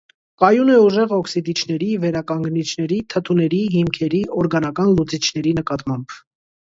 Կայուն է ուժեղ օքսիդիչների, վերականգնիչների, թթուների, հիմքերի, օրգանական լուծիչների նկատմամբ։